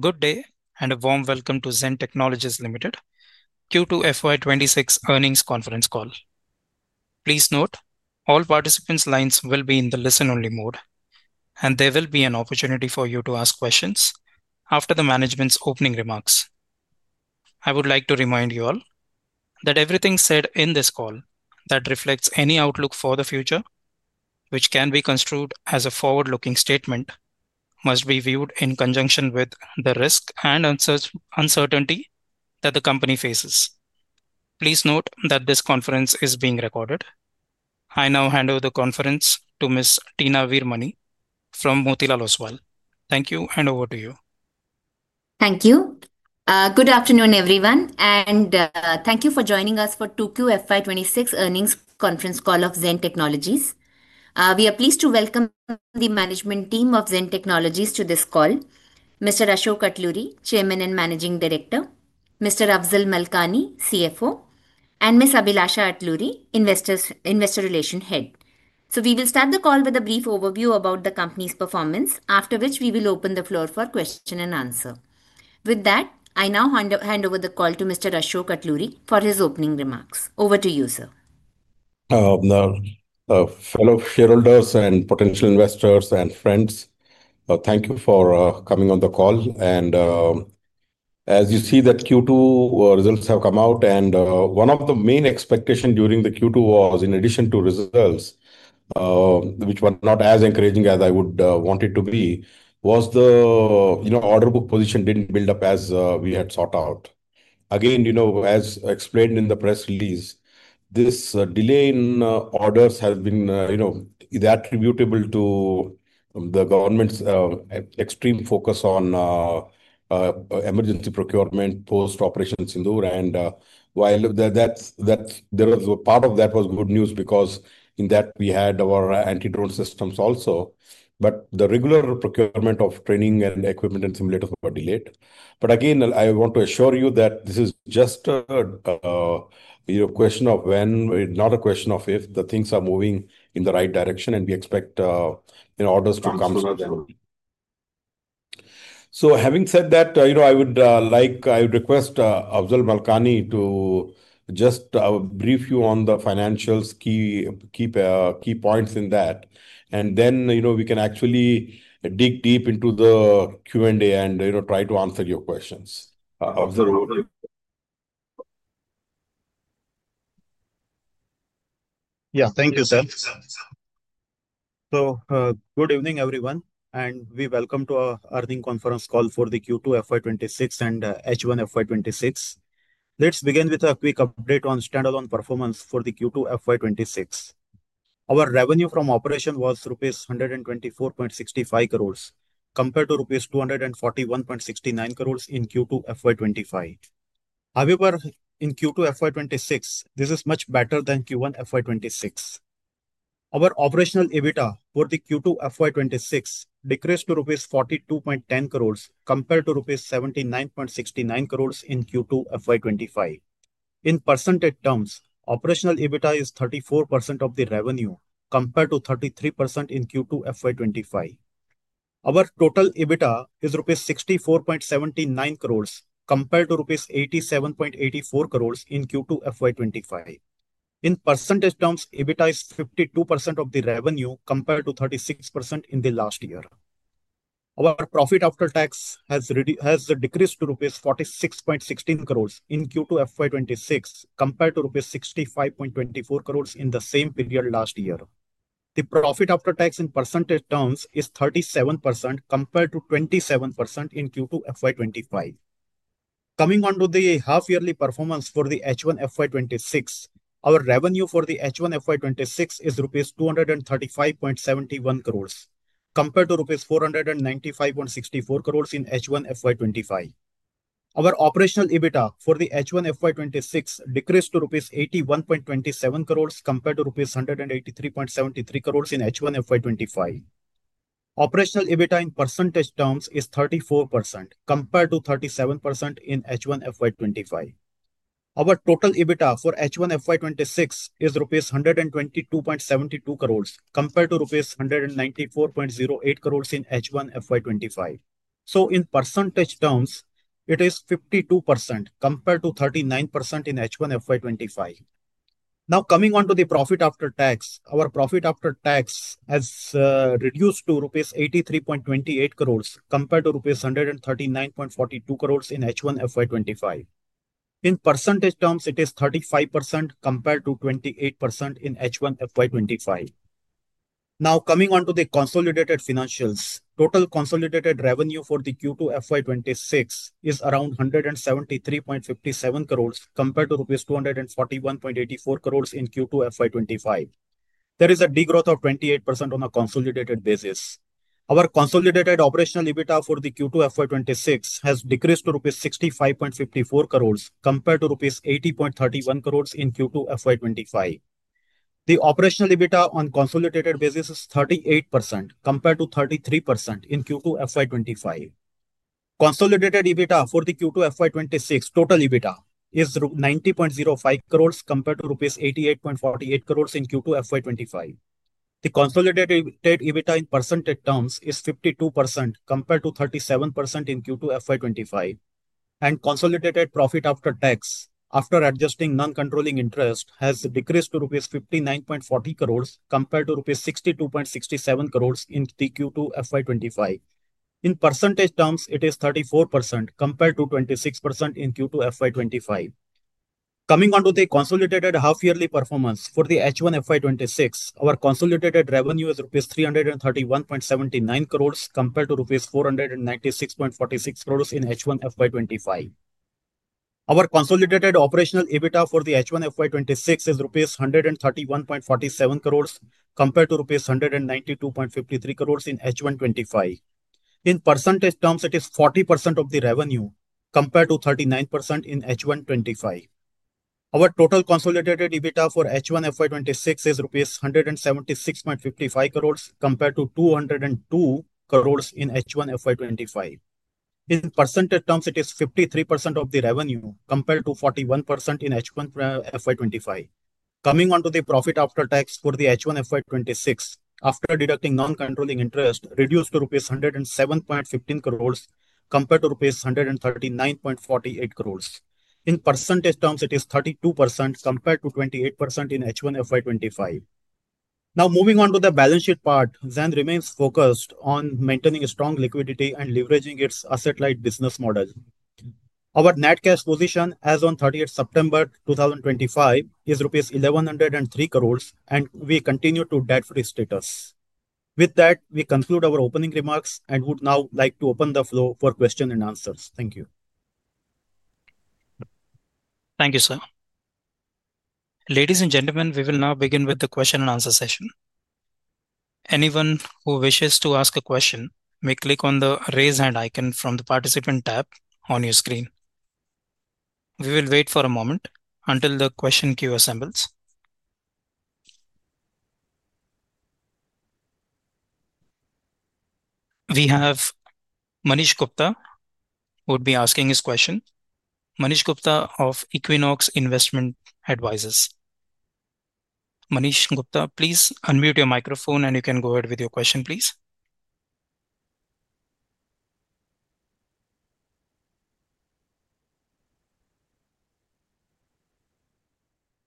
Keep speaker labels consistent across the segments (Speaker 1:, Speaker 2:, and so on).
Speaker 1: Good day and warm welcome to Zen Technologies Limited, Q2 FY 2026 earnings conference call. Please note, all participants' lines will be in the listen-only mode, and there will be an opportunity for you to ask questions after the management's opening remarks. I would like to remind you all that everything said in this call that reflects any outlook for the future, which can be construed as a forward-looking statement, must be viewed in conjunction with the risk and uncertainty that the company faces. Please note that this conference is being recorded. I now hand over the conference to Ms. Teena Veermani from Motilal Oswal. Thank you and over to you.
Speaker 2: Thank you. Good afternoon, everyone, and thank you for joining us for the Q2 FY 2026 earnings conference call of Zen Technologies Limited. We are pleased to welcome the management team of Zen Technologies Limited to this call: Mr. Ashok Atluri, Chairman and Managing Director; Mr. Afzal Malkani, CFO; and Ms. Abhilasha Atluri, Investor Relations Head. We will start the call with a brief overview about the company's performance, after which we will open the floor for questions and answers. With that, I now hand over the call to Mr. Ashok Atluri for his opening remarks. Over to you, sir.
Speaker 3: Fellow shareholders and potential investors and friends, thank you for coming on the call. As you see, the Q2 results have come out, and one of the main expectations during the Q2 was, in addition to results, which were not as encouraging as I would want it to be, the order book position didn't build up as we had sought out. As explained in the press release, this delay in orders has been attributable to the government's extreme focus on emergency procurement post-Operation Sindhur, and part of that was good news because in that we had our anti-drone systems also, but the regular procurement of training and equipment and simulators were delayed. I want to assure you that this is just a question of when, not a question of if. Things are moving in the right direction, and we expect the orders to come soon. Having said that, I would request Afzal Malkani to brief you on the financials, key points in that, and then we can actually dig deep into the Q&A and try to answer your questions.
Speaker 4: Yeah, thank you, sir. Good evening, everyone, and we welcome you to our earnings conference call for Q2 FY 2026 and H1 FY 2026. Let's begin with a quick update on standalone performance for Q2 FY 2026. Our revenue from operations was rupees 124.65 crores compared to rupees 241.69 crores in Q2 FY 2025. However, in Q2 FY 2026, this is much better than Q1 FY 2026. Our operational EBITDA for Q2 FY 2026 decreased to 42.10 crores rupees compared to 79.69 crores rupees in Q2 FY 2025. In percentage terms, operational EBITDA is 34% of the revenue compared to 33% in Q2 FY 2025. Our total EBITDA is rupees 64.79 crores compared to rupees 87.84 crores in Q2 FY 2025. In percentage terms, EBITDA is 52% of the revenue compared to 36% in the last year. Our profit after tax has decreased to rupees 46.16 crores in Q2 FY 2026 compared to rupees 65.24 crores in the same period last year. The profit after tax in percentage terms is 37% compared to 27% in Q2 FY 2025. Coming on to the half-yearly performance for H1 FY 2026, our revenue for H1 FY 2026 is rupees 235.71 crores compared to rupees 495.64 crores in H1 FY 2025. Our operational EBITDA for H1 FY 2026 decreased to rupees 81.27 crores compared to rupees 183.73 crores in H1 FY 2025. Operational EBITDA in percentage terms is 34% compared to 37% in H1 FY 2025. Our total EBITDA for H1 FY 2026 is rupees 122.72 crores compared to rupees 194.08 crores in H1 FY 2025. In percentage terms, it is 52% compared to 39% in H1 FY 2025. Now, coming on to the profit after tax, our profit after tax has reduced to rupees 83.28 crores compared to rupees 139.42 crores in H1 FY 2025. In percentage terms, it is 35% compared to 28% in H1 FY 2025. Now, coming on to the consolidated financials, total consolidated revenue for Q2 FY 2026 is around 173.57 crores compared to rupees 241.84 crores in Q2 FY 2025. There is a degrowth of 28% on a consolidated basis. Our consolidated operational EBITDA for Q2 FY 2026 has decreased to rupees 65.54 crores compared to rupees 80.31 crores in Q2 FY 2025. The operational EBITDA on a consolidated basis is 38% compared to 33% in Q2 FY 2025. Consolidated EBITDA for Q2 FY 2026, total EBITDA is 90.05 crores compared to rupees 88.48 crores in Q2 FY 2025. The consolidated EBITDA in percentage terms is 52% compared to 37% in Q2 FY 2025. Consolidated profit after tax, after adjusting non-controlling interest, has decreased to rupees 59.40 crores compared to rupees 62.67 crores in Q2 FY 2025. In percentage terms, it is 34% compared to 26% in Q2 FY 2025. Coming on to the consolidated half-yearly performance for the H1 FY 2026, our consolidated revenue is rupees 331.79 crores compared to rupees 496.46 crores in H1 FY 2025. Our consolidated operational EBITDA for the H1 FY 2026 is rupees 131.47 crores compared to rupees 192.53 crores in H1 FY 2025. In percentage terms, it is 40% of the revenue compared to 39% in H1 FY 2025. Our total consolidated EBITDA for H1 FY 2026 is rupees 176.55 crores compared to 202 crores in H1 FY 2025. In percentage terms, it is 53% of the revenue compared to 41% in H1 FY 2025. Coming on to the profit after tax for the H1 FY 2026, after deducting non-controlling interest, reduced to rupees 107.15 crores compared to rupees 139.48 crores. In percentage terms, it is 32% compared to 28% in H1 FY 2025. Now, moving on to the balance sheet part, Zen remains focused on maintaining strong liquidity and leveraging its asset-light business model. Our net cash position as of 30th September 2025 is rupees 1,103 crores, and we continue to debt-free status. With that, we conclude our opening remarks and would now like to open the floor for questions and answers. Thank you.
Speaker 1: Thank you, sir. Ladies and gentlemen, we will now begin with the question-and-answer session. Anyone who wishes to ask a question may click on the raise hand icon from the participant tab on your screen. We will wait for a moment until the question queue assembles. We have Manish Gupta, who would be asking his question. Manish Gupta of Equinox Investment Advisors. Manish Gupta, please unmute your microphone and you can go ahead with your question, please.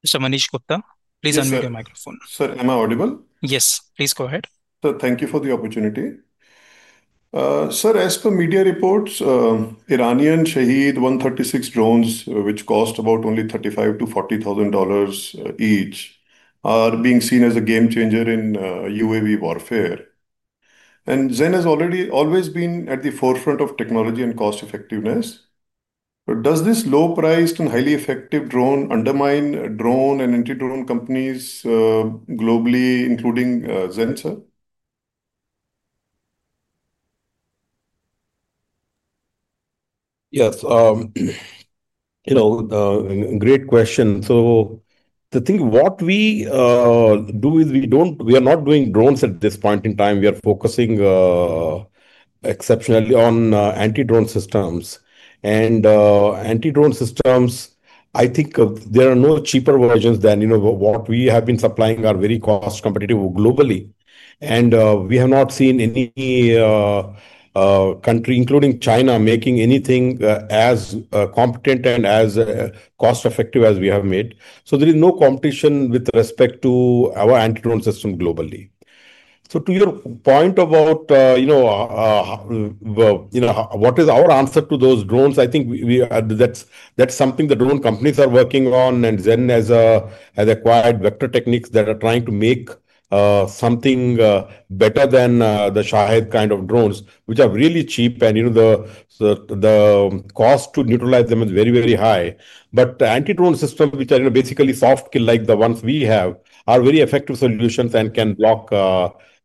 Speaker 1: Mr. Manish Gupta, please unmute your microphone.
Speaker 5: Sir, am I audible?
Speaker 1: Yes, please go ahead.
Speaker 5: Sir, thank you for the opportunity. Sir, as per media reports, Iranian Shahid-136 drones, which cost about only $35,000-$40,000 each, are being seen as a game changer in UAV warfare. Zen has already always been at the forefront of technology and cost effectiveness. Does this low-priced and highly effective drone undermine drone and anti-drone companies globally, including Zen, sir?
Speaker 3: Yes, you know, great question. The thing what we do is we don't, we are not doing drones at this point in time. We are focusing exceptionally on anti-drone systems. Anti-drone systems, I think there are no cheaper versions than, you know, what we have been supplying, are very cost-competitive globally. We have not seen any country, including China, making anything as competent and as cost-effective as we have made. There is no competition with respect to our anti-drone system globally. To your point about, you know, what is our answer to those drones, I think that's something the drone companies are working on. Zen has acquired Vector Techniques that are trying to make something better than the Shahed kind of drones, which are really cheap. The cost to neutralize them is very, very high. Anti-drone systems, which are basically soft kill, like the ones we have, are very effective solutions and can block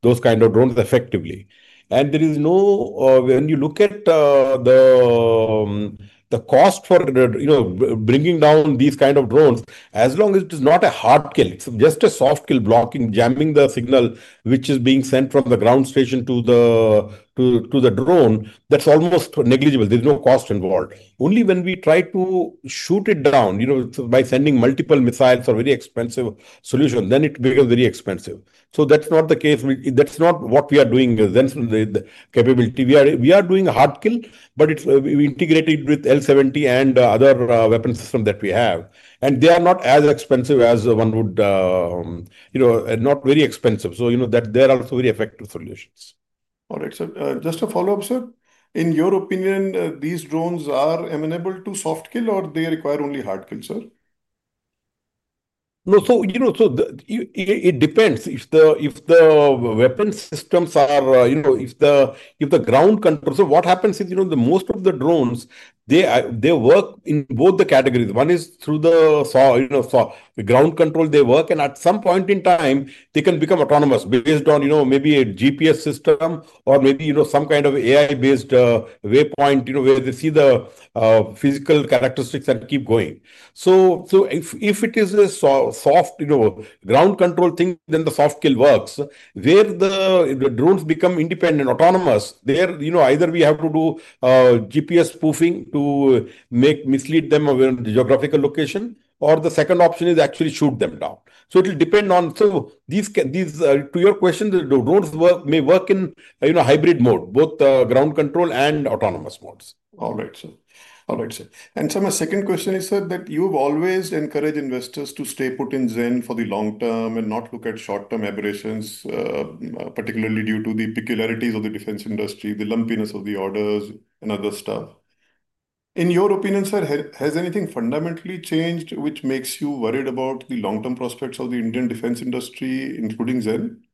Speaker 3: those kinds of drones effectively. When you look at the cost for, you know, bringing down these kinds of drones, as long as it is not a hard kill, it's just a soft kill blocking, jamming the signal which is being sent from the ground station to the drone, that's almost negligible. There's no cost involved. Only when we try to shoot it down, you know, by sending multiple missiles or very expensive solutions, then it becomes very expensive. That's not the case. That's not what we are doing with Zen's capability. We are doing a hard kill, but it's integrated with L70 and other weapon systems that we have. They are not as expensive as one would, you know, not very expensive. They are also very effective solutions.
Speaker 5: All right, sir. Just a follow-up, sir. In your opinion, these drones are amenable to soft-kill or they require only hard-kill, sir?
Speaker 3: No, it depends. If the weapon systems are, if the ground control, what happens is most of the drones work in both the categories. One is through the ground control, they work, and at some point in time, they can become autonomous based on maybe a GPS system or maybe some kind of AI-based waypoint, where they see the physical characteristics and keep going. If it is a soft ground control thing, then the soft-kill works. Where the drones become independent, autonomous, either we have to do GPS spoofing to mislead them of a geographical location, or the second option is actually shoot them down. It will depend on, to your question, the drones may work in hybrid mode, both ground control and autonomous modes.
Speaker 5: All right, sir. My second question is that you've always encouraged investors to stay put in Zen Technologies Limited for the long term and not look at short-term aberrations, particularly due to the peculiarities of the defense industry, the lumpiness of the orders, and other stuff. In your opinion, sir, has anything fundamentally changed which makes you worried about the long-term prospects of the Indian defense industry, including Zen Technologies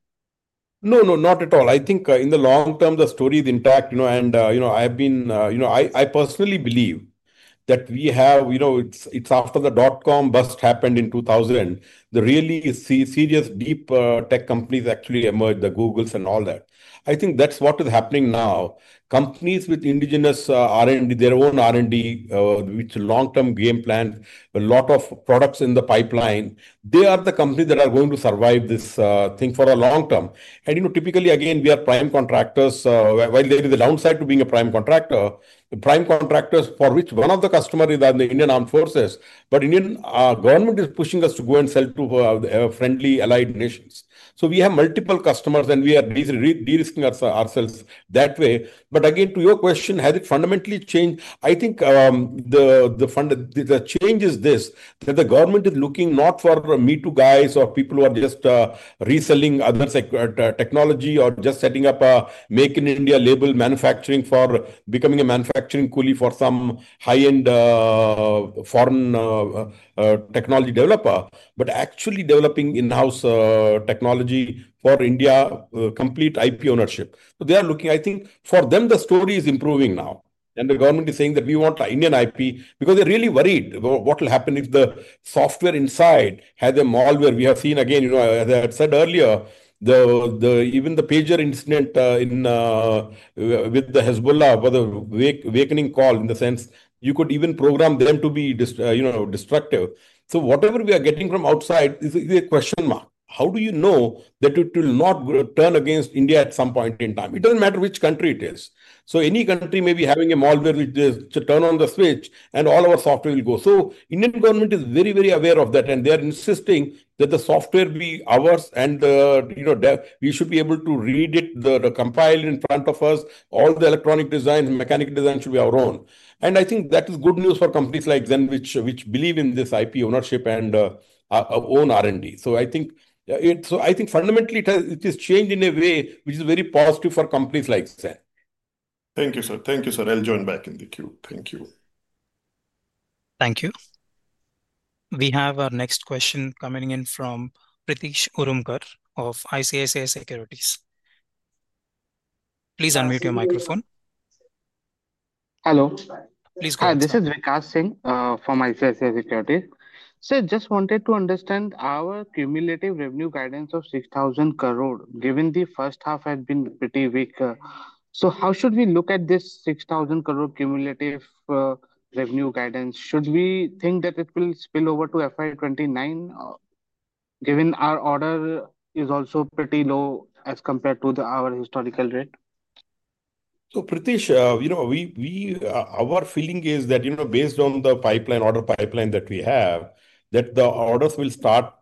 Speaker 5: Limited?
Speaker 3: No, not at all. I think in the long term, the story is intact, you know, and I've been, you know, I personally believe that we have, you know, it's after the dot-com bust happened in 2000, the really serious deep tech companies actually emerged, the Googles and all that. I think that's what is happening now. Companies with indigenous R&D, their own R&D, with a long-term game plan, a lot of products in the pipeline, they are the companies that are going to survive this thing for the long term. Typically, again, we are prime contractors. While there is a downside to being a prime contractor, the prime contractors for which one of the customers is the Indian Armed Forces, the Indian government is pushing us to go and sell to friendly Allied Nations. We have multiple customers and we are de-risking ourselves that way. To your question, has it fundamentally changed? I think the change is this, that the government is looking not for me-too guys or people who are just reselling other technology or just setting up a Make in India label manufacturing for becoming a manufacturing coolie for some high-end foreign technology developer, but actually developing in-house technology for India, complete IP ownership. They are looking, I think, for them, the story is improving now. The government is saying that we want Indian IP because they're really worried about what will happen if the software inside has a malware. We have seen, again, as I had said earlier, even the pager incident with the Hezbollah, whether awakening call in the sense you could even program them to be, you know, destructive. Whatever we are getting from outside is a question mark. How do you know that it will not turn against India at some point in time? It doesn't matter which country it is. Any country may be having a malware where they turn on the switch and all of our software will go. The Indian government is very, very aware of that and they are insisting that the software be ours and, you know, we should be able to read it, compile it in front of us. All the electronic designs, mechanical designs should be our own. I think that is good news for companies like Zen, which believe in this IP ownership and our own R&D. I think fundamentally it has changed in a way which is very positive for companies like Zen.
Speaker 5: Thank you, sir. Thank you, sir. I'll join back in the queue. Thank you.
Speaker 1: Thank you. We have our next question coming in from Pratish Urumkar of ICICI Securities. Please unmute your microphone.
Speaker 6: Hello.
Speaker 1: Please go ahead.
Speaker 6: Hi, this is Vikas Singh from ICICI Securities. Sir, I just wanted to understand our cumulative revenue guidance of 6,000 crore, given the first half had been pretty weak. How should we look at this 6,000 crore cumulative revenue guidance? Should we think that it will spill over to FY 2029, given our order is also pretty low as compared to our historical rate?
Speaker 3: Pratish, our feeling is that, based on the order pipeline that we have, the orders will start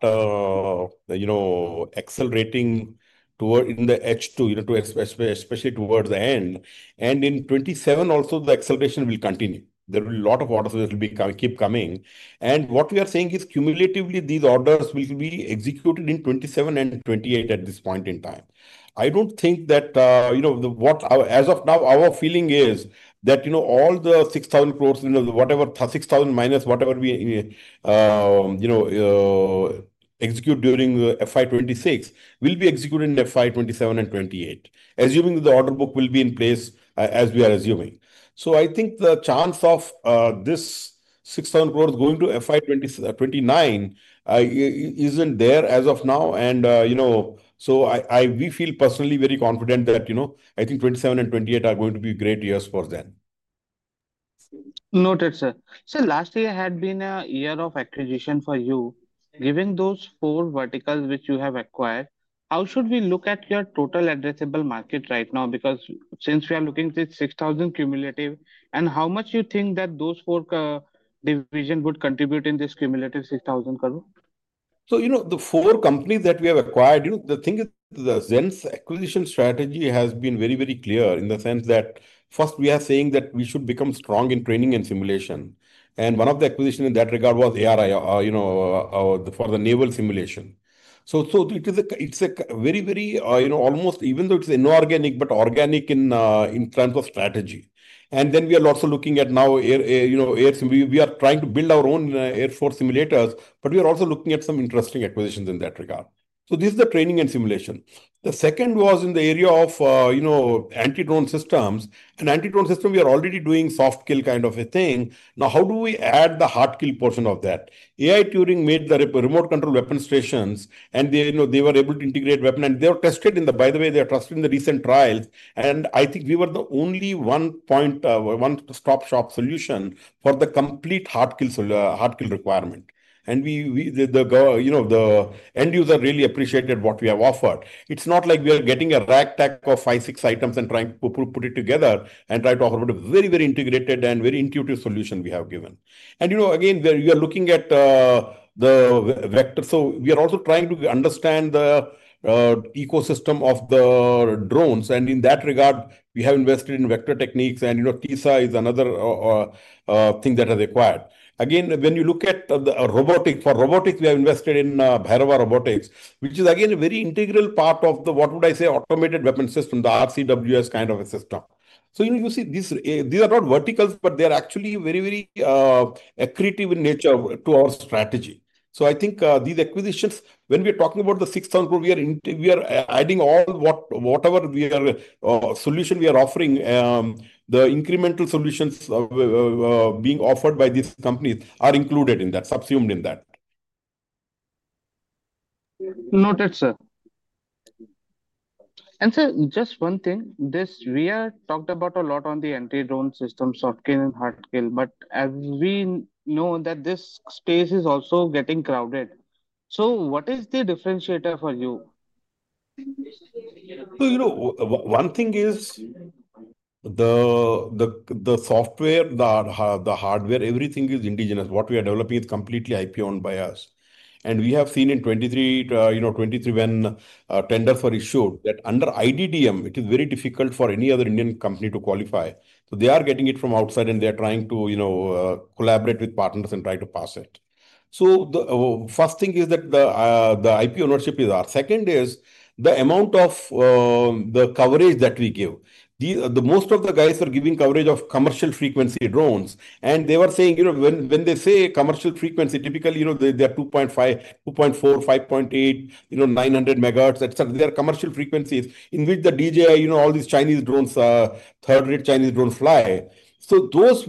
Speaker 3: accelerating in H2, especially towards the end. In 2027, also, the acceleration will continue. There will be a lot of orders that will keep coming. What we are saying is cumulatively these orders will be executed in 2027 and 2028 at this point in time. I don't think that, as of now, our feeling is that all the 6,000 crore, whatever, 6,000 minus whatever we execute during FY 2026, will be executed in FY 2027 and 2028, assuming the order book will be in place as we are assuming. I think the chance of this 6,000 crore going to FY 2029 isn't there as of now. I feel personally very confident that 2027 and 2028 are going to be great years for Zen Technologies Limited.
Speaker 6: Noted, sir. Sir, last year had been a year of acquisition for you. Given those four verticals which you have acquired, how should we look at your total addressable market right now? Because since we are looking at this 6,000 crore cumulative, how much do you think that those four divisions would contribute in this cumulative 6,000 crore?
Speaker 3: The four companies that we have acquired, the thing is that Zen Technologies' acquisition strategy has been very, very clear in the sense that first we are saying that we should become strong in training and simulation. One of the acquisitions in that regard was ARI Simulation for the naval simulation. It is a very, very, almost even though it is inorganic, but organic in terms of strategy. We are also looking at air simulators. We are trying to build our own air force simulators, but we are also looking at some interesting acquisitions in that regard. This is the training and simulation. The second was in the area of anti-drone systems. In anti-drone systems, we are already doing soft-kill kind of a thing. Now, how do we add the hard-kill portion of that? AI Turing made the remote control weapon stations and they were able to integrate weapons and they were tested in the, by the way, they are trusted in the recent trials. I think we were the only one point, one stop shop solution for the complete hard-kill requirement. The end user really appreciated what we have offered. It's not like we are getting a ragtag of five, six items and trying to put it together and try to offer a very, very integrated and very intuitive solution we have given. Again, we are looking at the vector. We are also trying to understand the ecosystem of the drones. In that regard, we have invested in Vector Techniques and TESA is another thing that has acquired. When you look at the robotics, for robotics, we have invested in Bhairava Robotics, which is again a very integral part of the, what would I say, automated weapon system, the RCWS kind of a system. You see these, these are not verticals, but they are actually very, very accurate in nature to our strategy. I think these acquisitions, when we are talking about the 6,000 crore, we are adding all whatever we are, solution we are offering, the incremental solutions being offered by these companies are included in that, subsumed in that.
Speaker 6: Noted, sir. Sir, just one thing. We have talked a lot on the anti-drone systems, soft-kill and hard-kill, but as we know that this space is also getting crowded. What is the differentiator for you?
Speaker 3: One thing is the software, the hardware, everything is indigenous. What we are developing is completely IP-owned by us. We have seen in 2023, when tenders were issued under the IDDM framework, it is very difficult for any other Indian company to qualify. They are getting it from outside and they are trying to collaborate with partners and try to pass it. The first thing is that the IP ownership is ours. Second is the amount of the coverage that we give. Most of the guys were giving coverage of commercial frequency drones. When they say commercial frequency, typically, they are 2.4 MHz, 2.5 MHz, 5.8 MHz, 900 MHz, etc. These are commercial frequencies in which the DJI, all these Chinese drones, third-rate Chinese drones fly. Those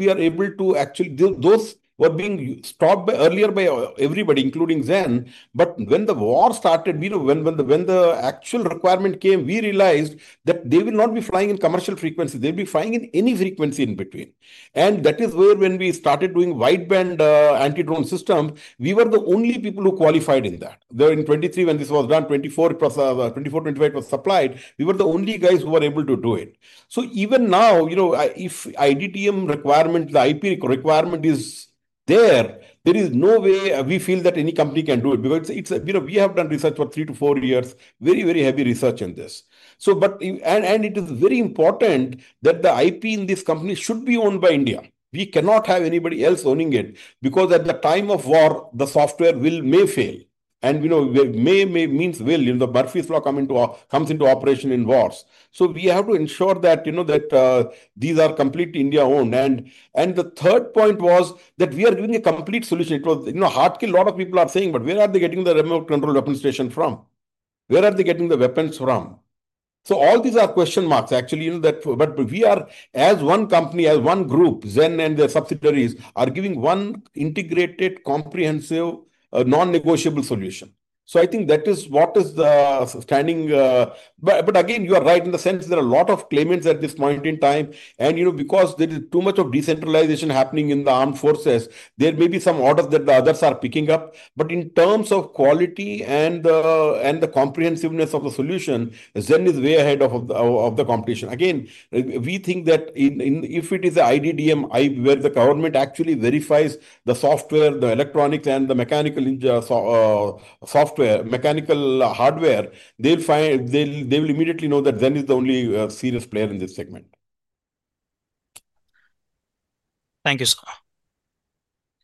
Speaker 3: were being stopped earlier by everybody, including Zen Technologies Limited. When the war started, when the actual requirement came, we realized that they will not be flying in commercial frequencies. They will be flying in any frequency in between. That is where, when we started doing wideband anti-drone systems, we were the only people who qualified in that. In 2023, when this was done, 2024, 2025, it was supplied. We were the only guys who were able to do it. Even now, if IDDM requirement, the IP requirement is there, there is no way we feel that any company can do it because we have done research for three to four years, very, very heavy research in this. It is very important that the IP in this company should be owned by India. We cannot have anybody else owning it because at the time of war, the software may fail. May means will, the Murphy's Law comes into operation in wars. We have to ensure that these are completely India-owned. The third point was that we are giving a complete solution. It was hard-kill. A lot of people are saying, but where are they getting the remote control weapon station from? Where are they getting the weapons from? All these are question marks, actually, but we are, as one company, as one group, Zen Technologies Limited and their subsidiaries are giving one integrated, comprehensive, non-negotiable solution. I think that is what is the standing. Again, you are right in the sense there are a lot of claimants at this point in time. You know, because there is too much decentralization happening in the armed forces, there may be some orders that others are picking up. In terms of quality and the comprehensiveness of the solution, Zen is way ahead of the competition. We think that if it is the IDDM, where the government actually verifies the software, the electronics, and the mechanical hardware, they'll find, they will immediately know that Zen is the only serious player in this segment.
Speaker 6: Thank you, sir.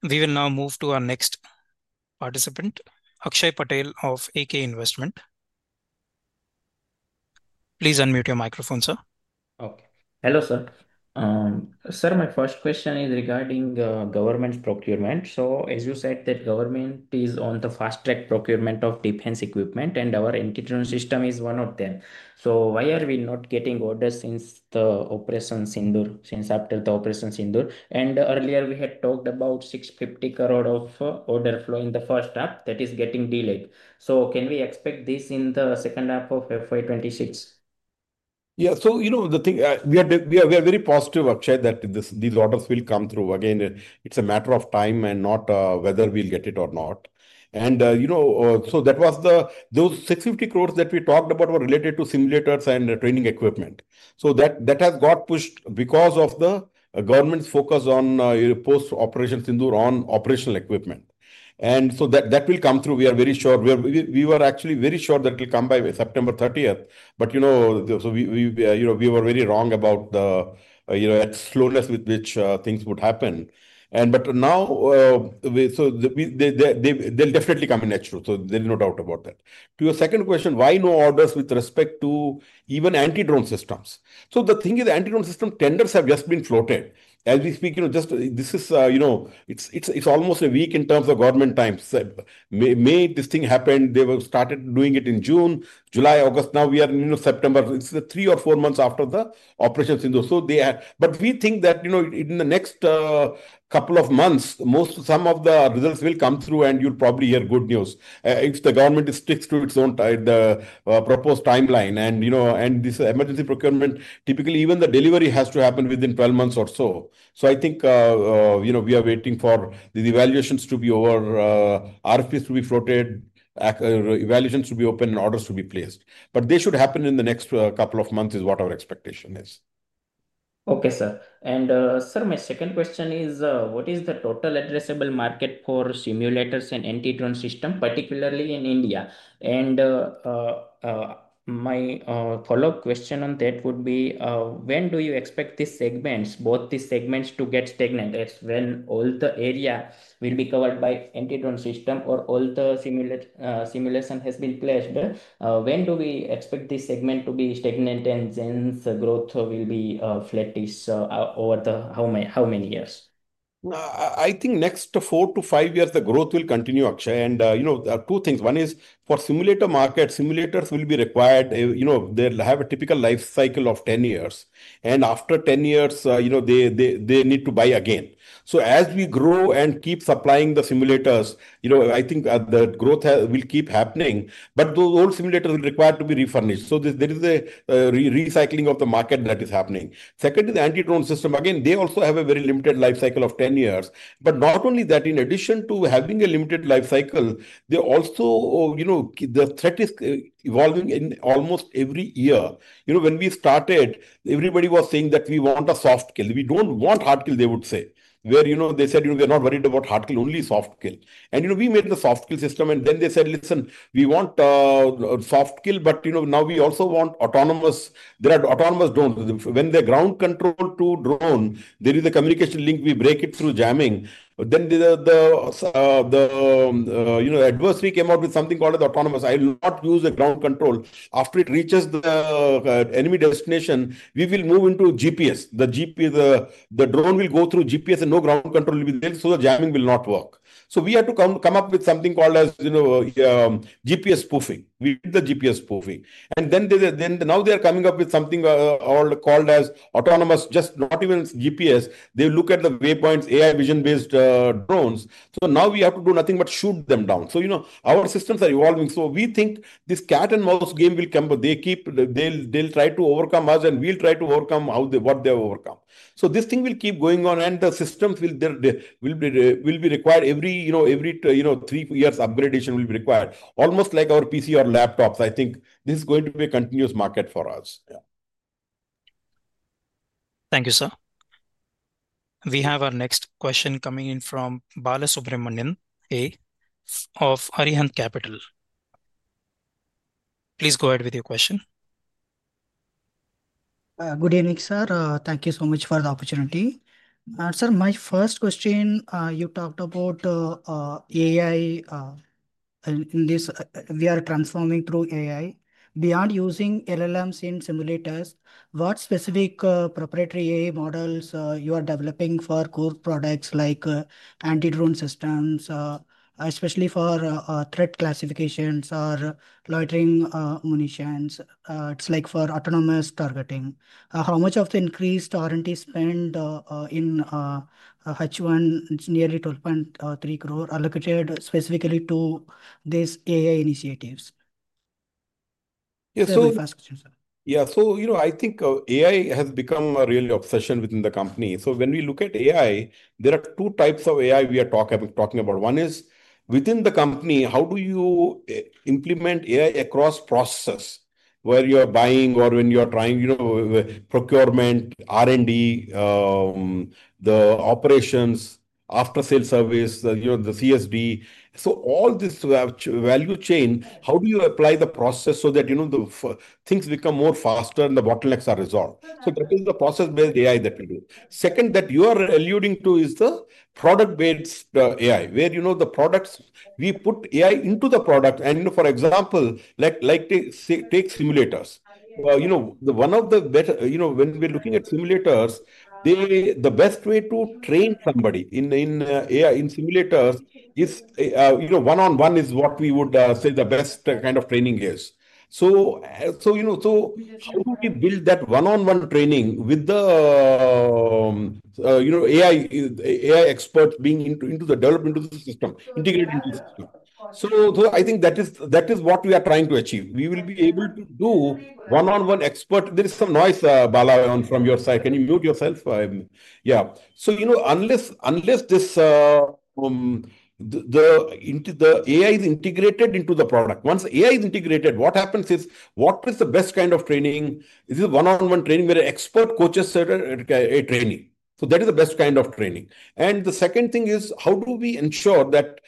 Speaker 1: We will now move to our next participant, Akshay Patel of AK Investment. Please unmute your microphone, sir.
Speaker 7: Okay. Hello, sir. My first question is regarding government procurement. As you said, the government is on the fast-track procurement of defense equipment, and our anti-drone system is one of them. Why are we not getting orders since Operation Sindhur, since after Operation Sindhur, and earlier we had talked about 650 crore of order flow in the first half that is getting delayed. Can we expect this in the second half of FY 2026?
Speaker 3: Yeah, so, you know, the thing we are very positive, Akshay, that these orders will come through. Again, it's a matter of time and not whether we'll get it or not. Those 650 crores that we talked about were related to simulators and training equipment. That has got pushed because of the government's focus post-Operation Sindhur on operational equipment. That will come through. We are very sure. We were actually very sure that it would come by September 30. We were very wrong about the slowness with which things would happen. Now, they'll definitely come in next year. There's no doubt about that. To your second question, why no orders with respect to even anti-drone systems? The thing is the anti-drone system tenders have just been floated. As we speak, this is almost a week in terms of government time. This thing happened. They started doing it in June, July, August. Now we are in September. It's three or four months after Operation Sindhur. We think that in the next couple of months, some of the results will come through and you'll probably hear good news. If the government sticks to its own proposed timeline and this emergency procurement, typically, even the delivery has to happen within 12 months or so. I think we are waiting for the evaluations to be over, RFPs to be floated, evaluations to be open, and orders to be placed. They should happen in the next couple of months is what our expectation is.
Speaker 7: Okay, sir. My second question is, what is the total addressable market for simulators and anti-drone systems, particularly in India? My follow-up question on that would be, when do you expect these segments, both these segments to get stagnant? That's when all the area will be covered by anti-drone systems or all the simulation has been closed. When do we expect this segment to be stagnant and Zen's growth will be flattish over the how many years?
Speaker 3: I think next four to five years, the growth will continue, Akshay. You know, there are two things. One is for the simulator market, simulators will be required. They'll have a typical life cycle of 10 years. After 10 years, they need to buy again. As we grow and keep supplying the simulators, I think the growth will keep happening. Those old simulators will require to be refurnished, so there is a recycling of the market that is happening. Second is the anti-drone system. Again, they also have a very limited life cycle of 10 years. Not only that, in addition to having a limited life cycle, the threat is evolving in almost every year. When we started, everybody was saying that we want a soft kill. We don't want a hard kill, they would say. They said they're not worried about hard kill, only soft kill. We made the soft kill system. Then they said, listen, we want a soft kill, but now we also want autonomous. There are autonomous drones. When the ground control to drone, there is a communication link. We break it through jamming. The adversary came out with something called an autonomous. I will not use the ground control. After it reaches the enemy desTeenation, we will move into GPS. The drone will go through GPS and no ground control will be there. The jamming will not work. We had to come up with something called as GPS spoofing. We did the GPS spoofing. Now they are coming up with something called as autonomous, just not even GPS. They look at the waypoints, AI vision-based drones. Now we have to do nothing but shoot them down. Our systems are evolving. We think this cat and mouse game will come. They'll try to overcome us and we'll try to overcome what they have overcome. This thing will keep going on and the systems will be required every three years upgradation will be required, almost like our PC or laptops. I think this is going to be a continuous market for us.
Speaker 1: Thank you, sir. We have our next question coming in from Balasubramanian A. of Arihant Capital. Please go ahead with your question.
Speaker 8: Good evening, sir. Thank you so much for the opportunity. Sir, my first question, you talked about AI in this, we are transforming through AI. Beyond using LLMs in simulators, what specific proprietary AI models you are developing for core products like anti-drone systems, especially for threat classifications or loitering munitions? It's like for autonomous targeting. How much of the increased R&D spend in H1, nearly 12.3 crore, allocated specifically to these AI initiatives?
Speaker 3: Yeah, I think AI has become a real obsession within the company. When we look at AI, there are two types of AI we are talking about. One is within the company, how do you implement AI across processes where you are buying or when you are trying procurement, R&D, the operations, after-sales service, the CSD. All this value chain, how do you apply the process so that things become faster and the bottlenecks are resolved? That is the process-based AI that we do. The second that you are alluding to is the product-based AI, where the products, we put AI into the product. For example, take simulators. When we're looking at simulators, the best way to train somebody in AI in simulators is one-on-one, which we would say is the best kind of training. How do we build that one-on-one training with the AI experts being into the development of the system, integrated into the system? I think that is what we are trying to achieve. We will be able to do one-on-one expert. There is some noise, Bala, from your side. Can you mute yourself? Yeah. Unless the AI is integrated into the product. Once AI is integrated, what happens is, what is the best kind of training? This is one-on-one training where an expert coaches a trainee. That is the best kind of training. The second thing is how do we ensure that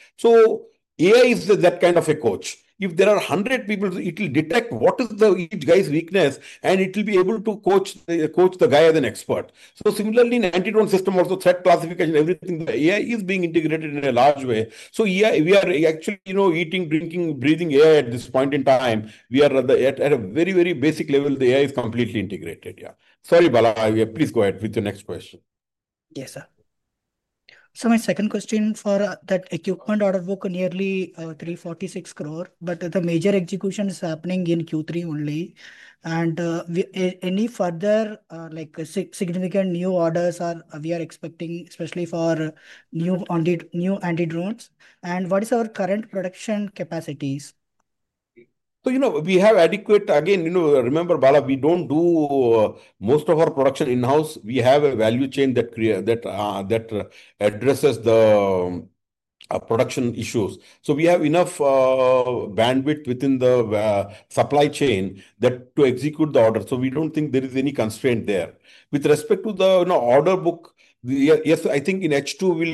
Speaker 3: AI is that kind of a coach. If there are 100 people, it will detect what is each guy's weakness, and it will be able to coach the guy as an expert. Similarly, in anti-drone systems, also threat classification, everything, the AI is being integrated in a large way. We are actually eating, drinking, breathing AI at this point in time. We are at a very, very basic level. The AI is completely integrated. Yeah. Sorry, Bala, please go ahead with your next question.
Speaker 8: Yes, sir. My second question for that equipment order book, nearly 346 crore, the major execution is happening in Q3 only. Are we expecting any further significant new orders, especially for new anti-drone systems? What is our current production capacities?
Speaker 3: We have adequate, again, remember, Bala, we don't do most of our production in-house. We have a value chain that addresses the production issues. We have enough bandwidth within the supply chain to execute the order. We don't think there is any constraint there. With respect to the order book, yes, I think in H2 we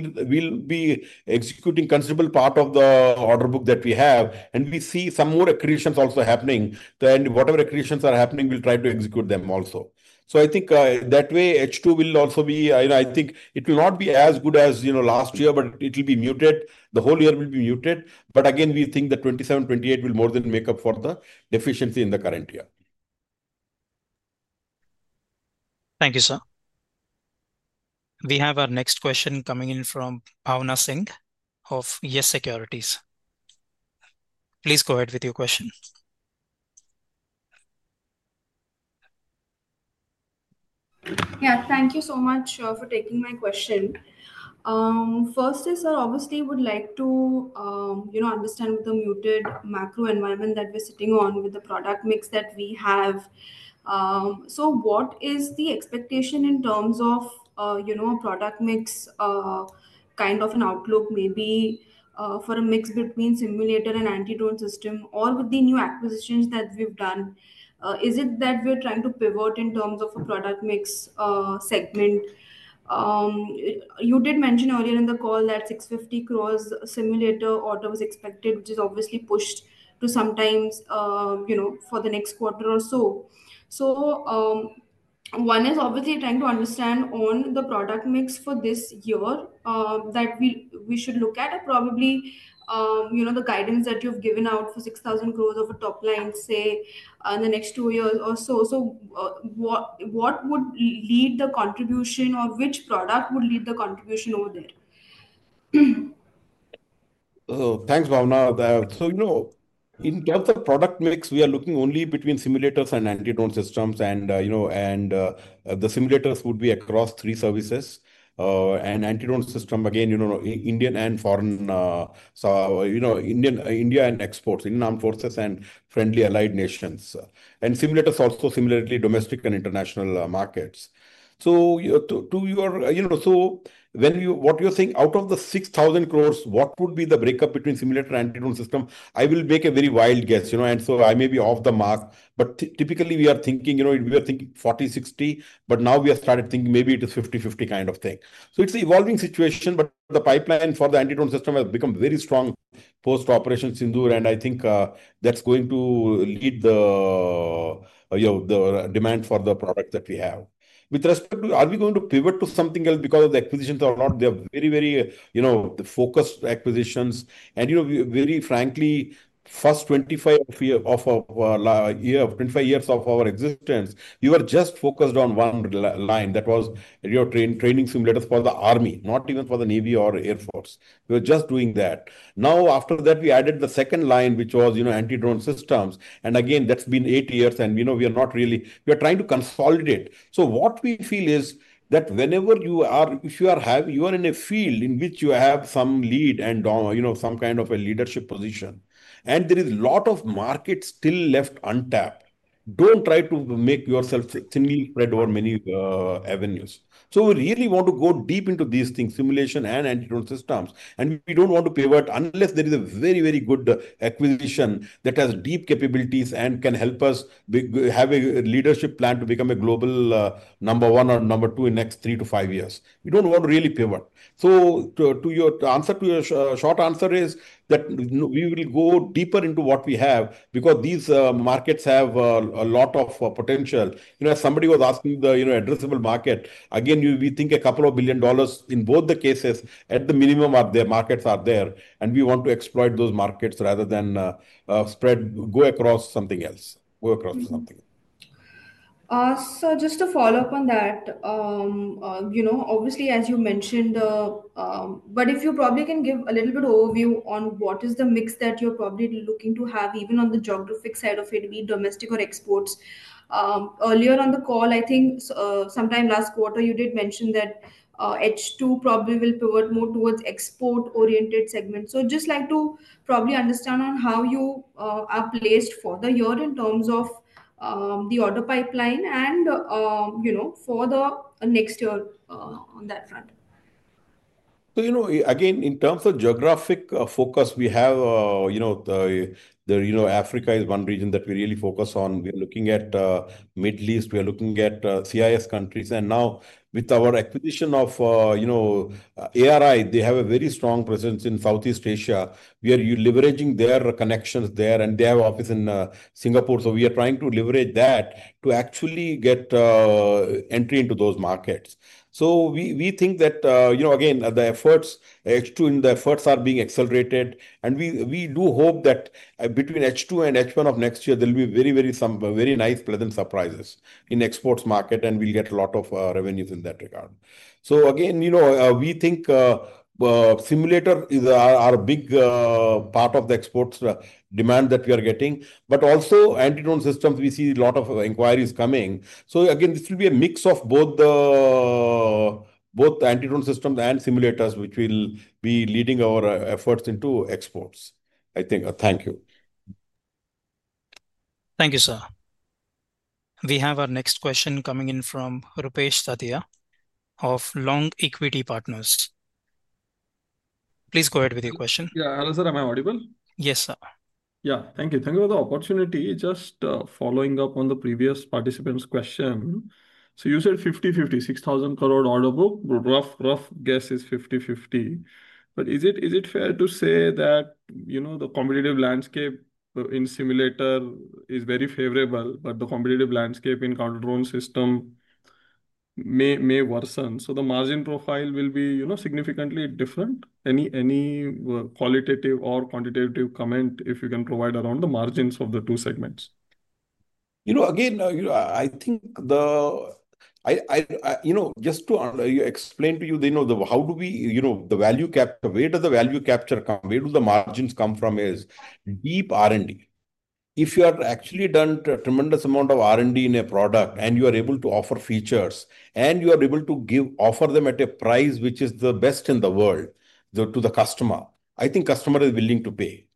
Speaker 3: will be executing a considerable part of the order book that we have. We see some more accreditations also happening. Whatever accreditations are happening, we will try to execute them also. I think that way H2 will also be, I think it will not be as good as last year, but it will be muted. The whole year will be muted. Again, we think that 2027, 2028 will more than make up for the deficiency in the current year.
Speaker 1: Thank you, sir. We have our next question coming in from Bhawna Singh of Yes Securities. Please go ahead with your question.
Speaker 9: Yeah, thank you so much for taking my question. First is, sir, obviously, I would like to understand with the muted macro environment that we're sitting on with the product mix that we have. What is the expectation in terms of a product mix kind of an outlook, maybe for a mix between simulators and anti-drone systems or with the new acquisitions that we've done? Is it that we're trying to pivot in terms of a product mix segment? You did mention earlier in the call that an 650 crore simulator order was expected, which is obviously pushed to sometime, you know, for the next quarter or so. One is obviously trying to understand on the product mix for this year that we should look at, probably, you know, the guidance that you've given out for 6,000 crore of a top line, say, in the next two years or so. What would lead the contribution or which product would lead the contribution over there?
Speaker 3: Thanks, Bhawna. In terms of product mix, we are looking only between simulators and anti-drone systems. The simulators would be across three services, and anti-drone systems, again, Indian and foreign, so India and exports, Indian Armed Forces and friendly Allied Nations. Simulators also similarly serve domestic and international markets. To your question, out of the 6,000 crores, what would be the breakup between simulators and anti-drone systems? I will make a very wild guess, and I may be off the mark. Typically, we are thinking 40/60, but now we have started thinking maybe it is 50/50. It is an evolving situation, but the pipeline for the anti-drone systems has become very strong post-Operation Sindhur. I think that's going to lead the demand for the product that we have. With respect to whether we are going to pivot to something else because of the acquisitions or not, they are very focused acquisitions. Very frankly, the first 25 years of our existence, we were just focused on one line. That was training simulators for the Army, not even for the Navy or Air Force. We were just doing that. After that, we added the second line, which was anti-drone systems, and that's been eight years. We are not really, we are trying to consolidate. What we feel is that whenever you are in a field in which you have some lead and some kind of a leadership position, and there is a lot of market still left untapped, don't try to make yourself thinly spread over many avenues. We really want to go deep into these things, simulation and anti-drone systems. We don't want to pivot unless there is a very good acquisition that has deep capabilities and can help us have a leadership plan to become a global number one or number two in the next three to five years. We don't want to really pivot. To your answer, the short answer is that we will go deeper into what we have because these markets have a lot of potential. As somebody was asking about the addressable market, we think a couple of billion dollars in both the cases at the minimum are there, markets are there. We want to exploit those markets rather than go across to something else.
Speaker 9: Just to follow up on that, you know, obviously, as you mentioned, if you probably can give a little bit of overview on what is the mix that you're probably looking to have, even on the geographic side of it, be it domestic or exports. Earlier on the call, I think sometime last quarter, you did mention that H2 probably will pivot more towards export-oriented segments. Just like to probably understand on how you are placed for the year in terms of the order pipeline and, you know, for the next year on that front.
Speaker 3: In terms of geographic focus, we have Africa as one region that we really focus on. We are looking at the Middle East and CIS countries. Now, with our acquisition of ARI, they have a very strong presence in Southeast Asia. We are leveraging their connections there, and they have an office in Singapore. We are trying to leverage that to actually get entry into those markets. We think that the efforts in H2 are being accelerated. We do hope that between H2 and H1 of next year, there will be some very nice, pleasant surprises in the exports market, and we'll get a lot of revenues in that regard. We think simulators are a big part of the exports demand that we are getting, but also anti-drone systems. We see a lot of inquiries coming. This will be a mix of both the anti-drone systems and simulators, which will be leading our efforts into exports, I think. Thank you.
Speaker 1: Thank you, sir. We have our next question coming in from Rupesh Dhatia of Long Equity Partners. Please go ahead with your question.
Speaker 10: Yeah, hello sir. Am I audible?
Speaker 1: Yes, sir.
Speaker 10: Thank you. Thank you for the opportunity. Just following up on the previous participant's question. You said 50/50, 6,000 crore order book. Rough guess is 50/50. Is it fair to say that the competitive landscape in simulators is very favorable, but the competitive landscape in drone systems may worsen? The margin profile will be significantly different. Any qualitative or quantitative comment if you can provide around the margins of the two segments?
Speaker 3: I think, just to explain to you, how do we, the value capture, where does the value capture come? Where do the margins come from is deep R&D. If you have actually done a tremendous amount of R&D in a product and you are able to offer features and you are able to offer them at a price which is the best in the world to the customer, I think the customer is willing to pay.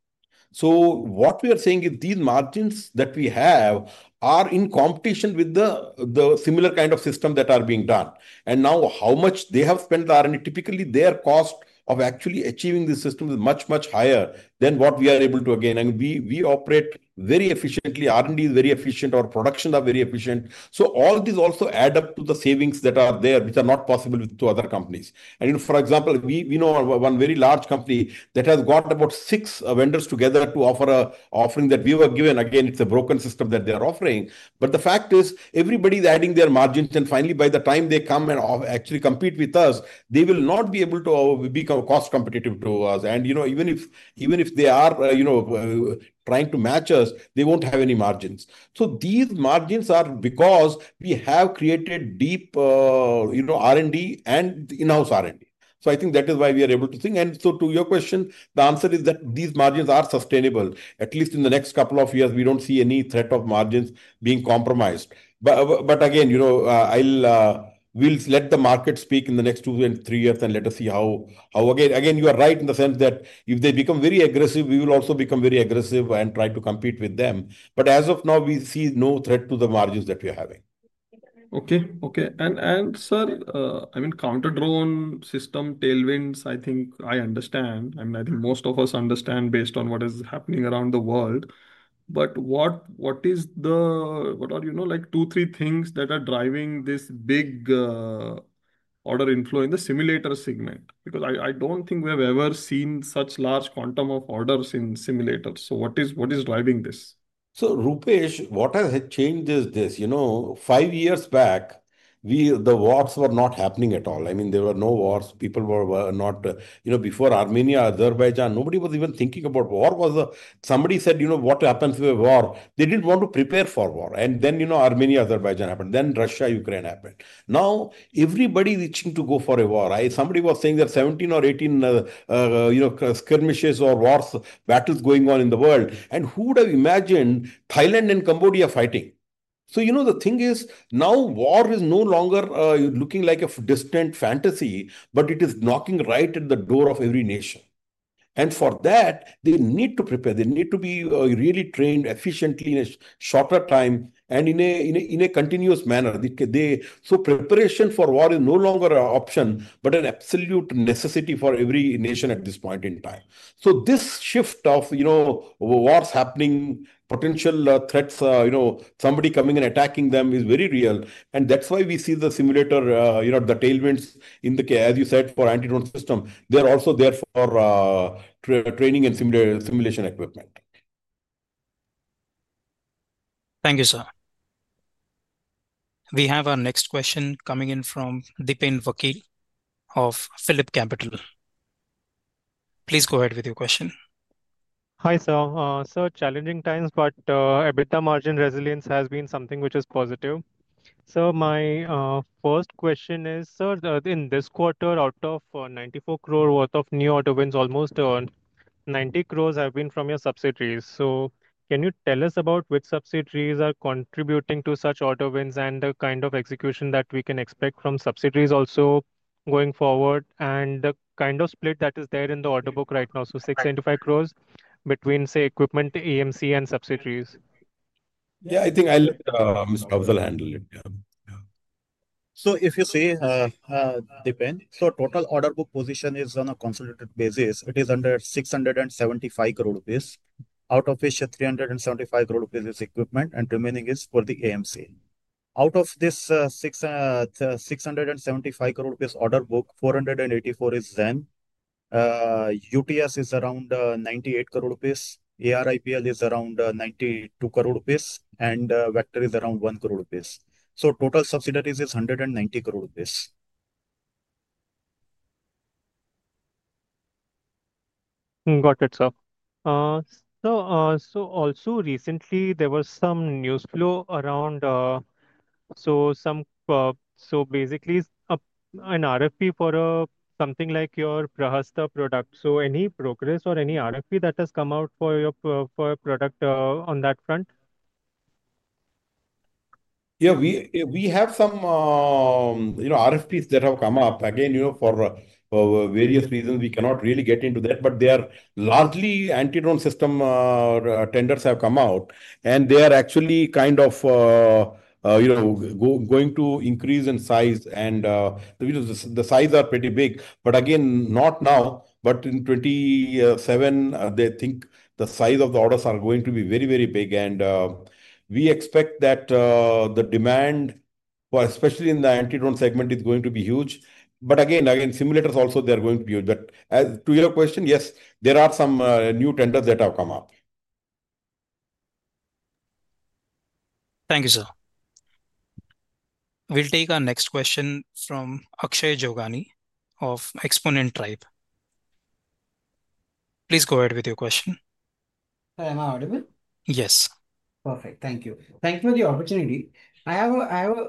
Speaker 3: What we are saying is these margins that we have are in competition with the similar kind of systems that are being done. Now, how much they have spent on R&D, typically their cost of actually achieving this system is much, much higher than what we are able to, and we operate very efficiently. R&D is very efficient. Our productions are very efficient. All of these also add up to the savings that are there, which are not possible with two other companies. For example, we know one very large company that has got about six vendors together to offer an offering that we were given. It is a broken system that they are offering. The fact is everybody is adding their margins. Finally, by the time they come and actually compete with us, they will not be able to become cost-competitive to us. Even if they are trying to match us, they won't have any margins. These margins are because we have created deep R&D and in-house R&D. I think that is why we are able to think. To your question, the answer is that these margins are sustainable. At least in the next couple of years, we don't see any threat of margins being compromised. We will let the market speak in the next two and three years and let us see how, you are right in the sense that if they become very aggressive, we will also become very aggressive and try to compete with them. As of now, we see no threat to the margins that we are having.
Speaker 10: Okay. And sir, I mean, counter drone system tailwinds, I think I understand. I think most of us understand based on what is happening around the world. What are, you know, like two, three things that are driving this big order inflow in the simulator segment? I don't think we have ever seen such large quantum of orders in simulators. What is driving this?
Speaker 3: Rupesh, what has changed is this: five years back, the wars were not happening at all. I mean, there were no wars. People were not, you know, before Armenia, Azerbaijan, nobody was even thinking about war. Somebody said, you know, what happens if we have war? They didn't want to prepare for war. Armenia, Azerbaijan happened. Russia, Ukraine happened. Now, everybody is itching to go for a war. Somebody was saying there are 17 or 18 skirmishes or wars, battles going on in the world. Who would have imagined Thailand and Cambodia fighting? The thing is now war is no longer looking like a distant fantasy, but it is knocking right at the door of every nation. For that, they need to prepare. They need to be really trained efficiently in a shorter time and in a continuous manner. Preparation for war is no longer an option, but an absolute necessity for every nation at this point in time. This shift of war is happening, potential threats, somebody coming and attacking them is very real. That's why we see the simulator tailwinds in the case, as you said, for anti-drone systems. They are also there for training and simulation equipment.
Speaker 1: Thank you, sir. We have our next question coming in from Dipen Vakil of PhilipCapital. Please go ahead with your question.
Speaker 11: Hi, sir. Sir, challenging times, but EBITDA margin resilience has been something which is positive. Sir, my first question is, sir, in this quarter, out of 94 crore worth of new auto bins, almost 90 crore have been from your subsidiaries. Can you tell us about which subsidiaries are contributing to such auto bins and the kind of execution that we can expect from subsidiaries also going forward and the kind of split that is there in the order book right now? 675 crore between, say, equipment to AMC and subsidiaries.
Speaker 3: Yeah, I think I'll let Mr. Afzal Malkani handle it.
Speaker 4: If you see, Dipen, total order book position is on a consolidated basis. It is under 675 crore rupees, out of which 375 crore rupees is equipment and remaining is for the AMC. Out of this 675 crore rupees order book, 484 crore is Zen. UTS is around 98 crore rupees. ARI is around 92 crore rupees. Vector is around 1 crore rupees. Total subsidiaries is 190 crore rupees.
Speaker 11: Got it, sir. Recently, there was some news flow around, basically an RFP for something like your Brahasta product. Any progress or any RFP that has come out for your product on that front?
Speaker 3: Yeah, we have some RFPs that have come up. Again, for various reasons, we cannot really get into that, but they are largely anti-drone system tenders that have come out. They are actually kind of going to increase in size, and the size is pretty big. Not now, but in 2027, they think the size of the orders are going to be very, very big. We expect that the demand, especially in the anti-drone segment, is going to be huge. Simulators also, they are going to be huge. To your question, yes, there are some new tenders that have come up.
Speaker 1: Thank you, sir. We'll take our next question from Akshay Joganimore of Xponent Tribe. Please go ahead with your question.
Speaker 12: Sir, am I audible?
Speaker 1: Yes.
Speaker 12: Perfect. Thank you. Thank you for the opportunity. I have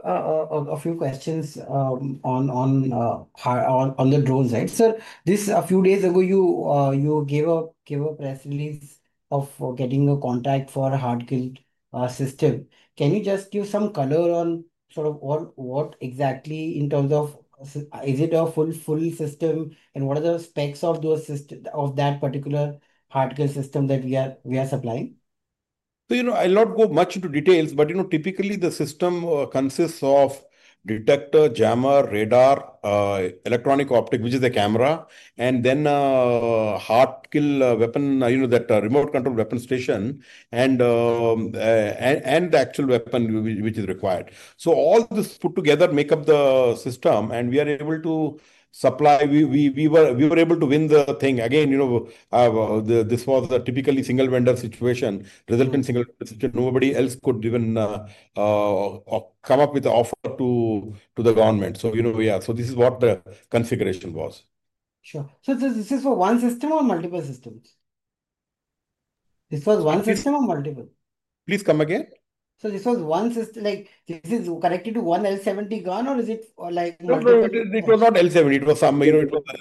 Speaker 12: a few questions on the drone side. Sir, a few days ago, you gave a press release of getting a contract for a hard-kill system. Can you just give some color on sort of what exactly in terms of is it a full system and what are the specs of that particular hard-kill system that we are supplying?
Speaker 3: I'll not go much into details, but typically, the system consists of detector, jammer, radar, electronic optic, which is a camera, and then a hard-kill weapon, that remote control weapon station, and the actual weapon which is required. All this put together makes up the system. We are able to supply, we were able to win the thing. Again, this was a typically single vendor situation, resultant single vendor situation. Nobody else could even come up with an offer to the government. This is what the configuration was.
Speaker 12: Sure. Is this for one system or multiple systems? This was one system or multiple?
Speaker 3: Please come again.
Speaker 12: Is this one system, like this is connected to one L70 gun, or is it like multiple?
Speaker 3: It was not L70. It was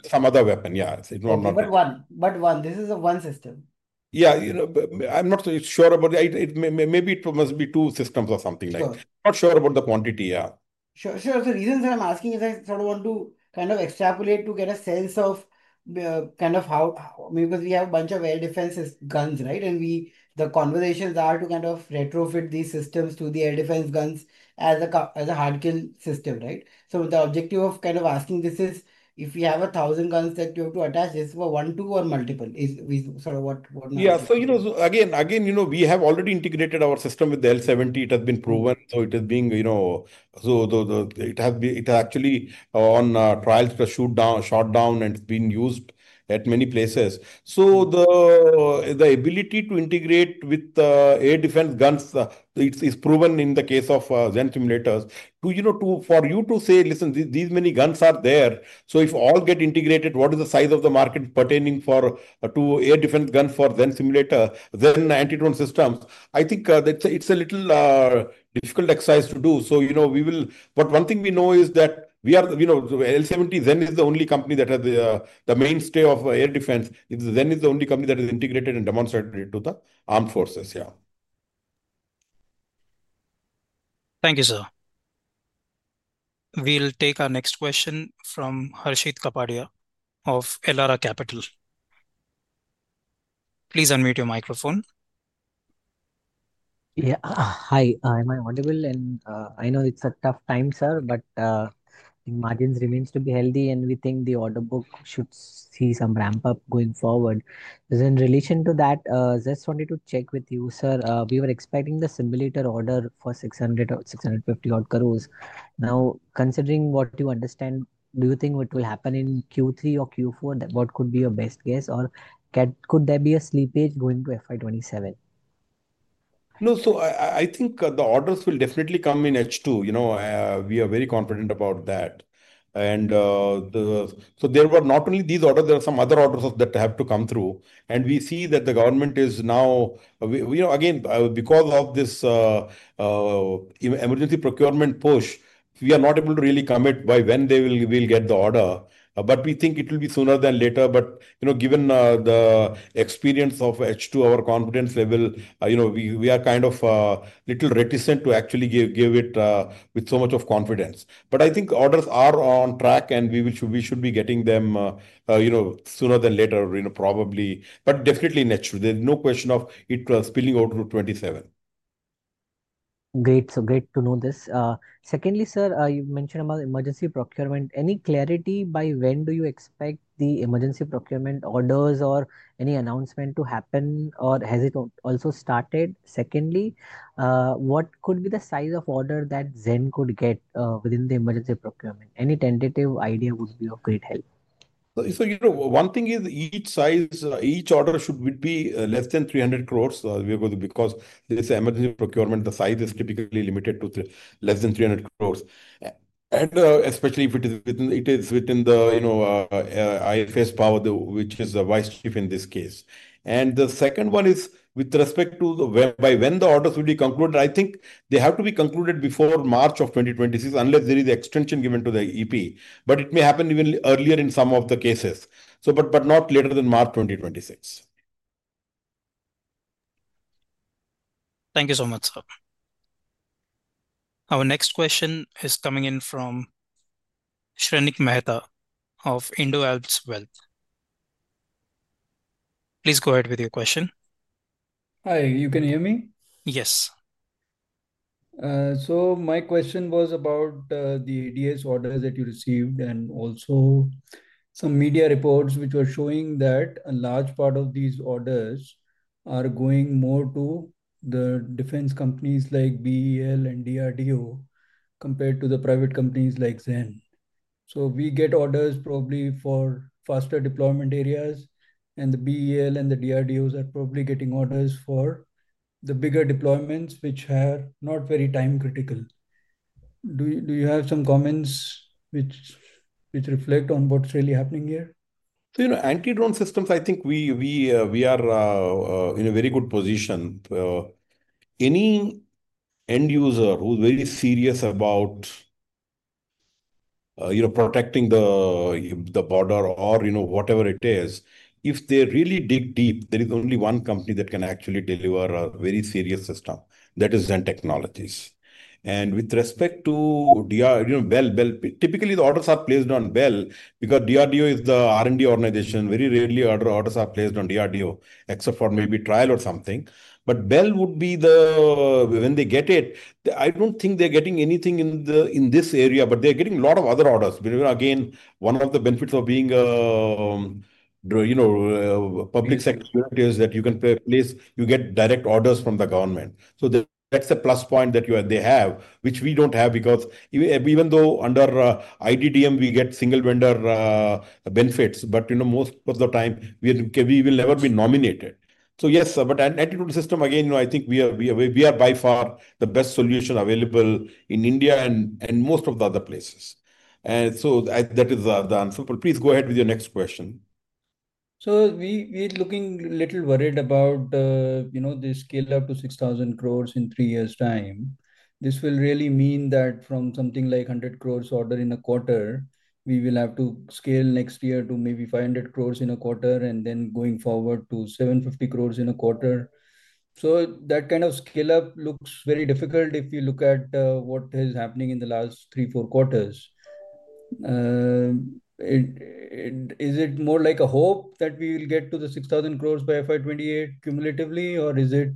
Speaker 3: some other weapon. Yeah, it's not.
Speaker 12: This is one system.
Speaker 3: Yeah, you know, I'm not sure about it. Maybe it must be two systems or something like that. I'm not sure about the quantity.
Speaker 12: The reasons that I'm asking is I sort of want to extrapolate to get a sense of how, I mean, because we have a bunch of air defense guns, right? We, the conversations are to retrofit these systems to the air defense guns as a hard-kill system, right? The objective of asking this is if we have a thousand guns that you have to attach, is it for one, two, or multiple? Is sort of what?
Speaker 3: Yeah, you know, we have already integrated our system with the L70. It has been proven. It has actually on trials to shoot down, shot down, and it's been used at many places. The ability to integrate with the air defense guns is proven in the case of Zen simulators. For you to say, listen, these many guns are there. If all get integrated, what is the size of the market pertaining to air defense guns for Zen simulators, Zen anti-drone systems? I think that it's a little difficult exercise to do. One thing we know is that we are, you know, L70, Zen is the only company that has the mainstay of air defense. Zen is the only company that is integrated and demonstrated to the armed forces. Yeah.
Speaker 1: Thank you, sir. We'll take our next question from Harshit Kapadia of Elara Capital. Please unmute your microphone.
Speaker 13: Yeah, hi. Am I audible? I know it's a tough time, sir, but I think margins remain to be healthy and we think the order book should see some ramp-up going forward. In relation to that, I just wanted to check with you, sir. We were expecting the simulator order for 600 or 650 crore. Now, considering what you understand, do you think it will happen in Q3 or Q4? What could be your best guess? Could there be a slippage going to FY 2027?
Speaker 3: No, I think the orders will definitely come in H2. We are very confident about that. There were not only these orders, there are some other orders that have to come through. We see that the government is now, again, because of this emergency procurement push, we are not able to really comment by when they will get the order. We think it will be sooner than later. Given the experience of H2, our confidence level, we are kind of a little reticent to actually give it with so much confidence. I think orders are on track and we should be getting them sooner than later, probably. Definitely in H2. There's no question of it spilling out to 2027.
Speaker 13: Great to know this. Sir, you mentioned about emergency procurement. Any clarity by when do you expect the emergency procurement orders or any announcement to happen? Has it also started? What could be the size of order that Zen could get within the emergency procurement? Any tentative idea would be of great help.
Speaker 3: One thing is each size, each order should be less than 300 crore because this emergency procurement, the size is typically limited to less than 300 crore. Especially if it is within the IFA's power, which is the Vice Chief in this case. The second one is with respect to by when the orders will be concluded. I think they have to be concluded before March 2026 unless there is an extension given to the EP. It may happen even earlier in some of the cases, but not later than March 2026.
Speaker 1: Thank you so much, sir. Our next question is coming in from Shrenik Mehta of IndoAlps Wealth. Please go ahead with your question.
Speaker 14: Hi, can you hear me?
Speaker 1: Yes.
Speaker 14: My question was about the ADA's orders that you received and also some media reports which were showing that a large part of these orders are going more to the defense companies like BEL and DRDO compared to the private companies like Zen. We get orders probably for faster deployment areas and the BEL and the DRDOs are probably getting orders for the bigger deployments which are not very time-critical. Do you have some comments which reflect on what's really happening here?
Speaker 3: Anti-drone systems, I think we are in a very good position. Any end user who's very serious about protecting the border or whatever it is, if they really dig deep, there is only one company that can actually deliver a very serious system. That is Zen Technologies. With respect to, you know, BEL, typically the orders are placed on BEL because DRDO is the R&D organization. Very rarely orders are placed on DRDO except for maybe trial or something. BEL would be the, when they get it, I don't think they're getting anything in this area, but they're getting a lot of other orders. One of the benefits of being a public sector is that you get direct orders from the government. That's a plus point that they have, which we don't have because even though under IDDM we get single vendor benefits, most of the time we will never be nominated. An anti-drone system, again, I think we are by far the best solution available in India and most of the other places. That is the answer. Please go ahead with your next question.
Speaker 14: We are looking a little worried about, you know, the scale up to 6,000 crore in three years' time. This will really mean that from something like 100 crore order in a quarter, we will have to scale next year to maybe 500 crore in a quarter and then going forward to 750 crore in a quarter. That kind of scale-up looks very difficult if you look at what has happened in the last three or four quarters. Is it more like a hope that we will get to the 6,000 crore by FY 2028 cumulatively, or do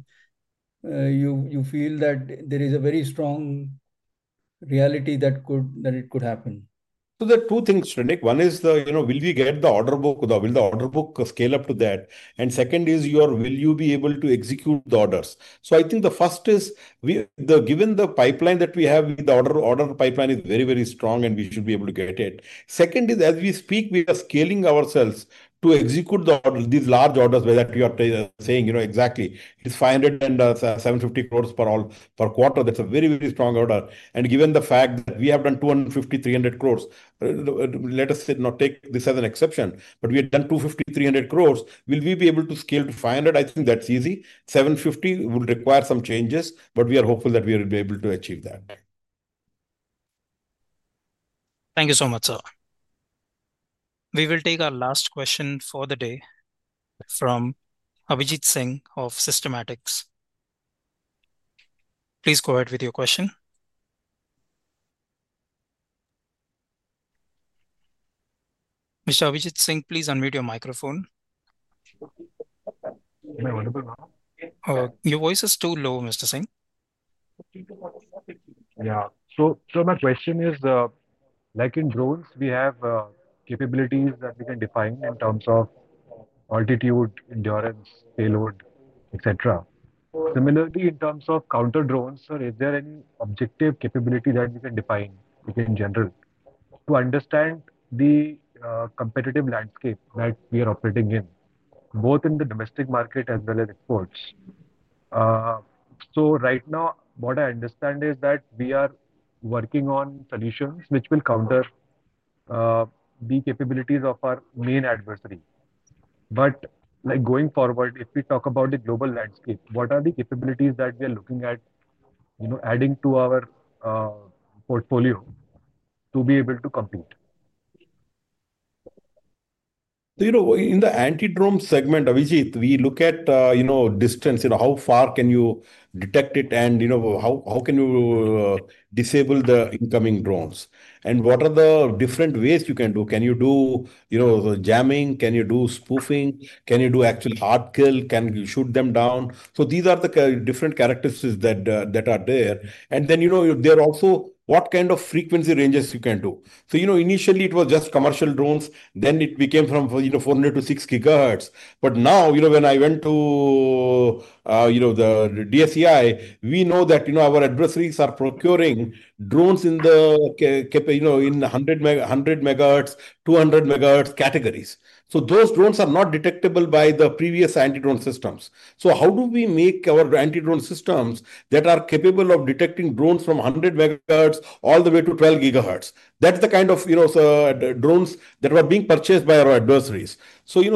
Speaker 14: you feel that there is a very strong reality that it could happen?
Speaker 3: There are two things, Shrenik. One is, you know, will we get the order book or will the order book scale up to that? The second is, will you be able to execute the orders? I think the first is, given the pipeline that we have, the order pipeline is very, very strong and we should be able to get it. The second is, as we speak, we are scaling ourselves to execute these large orders that you are saying, exactly. It's 500 crore and 750 crore per quarter. That's a very, very strong order. Given the fact that we have done 250 crore, 300 crore, let us not take this as an exception, but we have done 250 crore, 300 crore. Will we be able to scale to 500 crore? I think that's easy. 750 crore will require some changes, but we are hopeful that we will be able to achieve that.
Speaker 1: Thank you so much, sir. We will take our last question for the day from Abhijeet Singh of Systematix. Please go ahead with your question. Mr. Abhijit Singh, please unmute your microphone.
Speaker 15: Am I audible now?
Speaker 1: Your voice is too low, Mr. Singh.
Speaker 15: Yeah. My question is, like in drones, we have capabilities that we can define in terms of altitude, endurance, payload, etc. Similarly, in terms of counter drones, sir, is there any objective capability that we can define in general to understand the competitive landscape that we are operating in, both in the domestic market as well as exports? Right now, what I understand is that we are working on solutions which will counter the capabilities of our main adversary. If we talk about the global landscape going forward, what are the capabilities that we are looking at, you know, adding to our portfolio to be able to compete?
Speaker 3: In the anti-drone segment, Abhijit, we look at distance, how far can you detect it and how can you disable the incoming drones? What are the different ways you can do? Can you do jamming? Can you do spoofing? Can you do actual hard kill? Can you shoot them down? These are the different characteristics that are there. There are also what kind of frequency ranges you can do. Initially it was just commercial drones. Then it became from 400 MHz to 6 GHz. Now, when I went to the DSEI, we know that our adversaries are procuring drones in the 100 MHz, 200 MHz categories. Those drones are not detectable by the previous anti-drone systems. How do we make our anti-drone systems that are capable of detecting drones from 100 MHz all the way to 12 GHz? That's the kind of drones that are being purchased by our adversaries. These